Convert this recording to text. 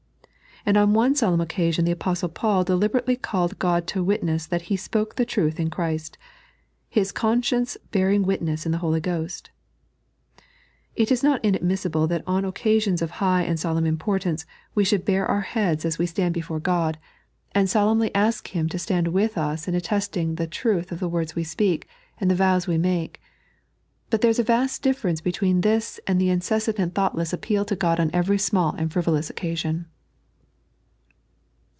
And on one solemn occasion the Apostle Paul de liberately called God to witness that he spoke the truth in Christ, "his conscience bearing witness in the Holy Ghost." It is not inadmissible that on occasions of high and solemn importance we should bare our heads as we stand 3.n.iized by Google Father akd King. 73 before God, and 80161111117 ^^^''^'^ stand with us in attesting the truth of the words we speak and the vows we maJce. But thera ia a vast difference between this and the incessant and thoughtless appeal to God on every small and frivolous occasion.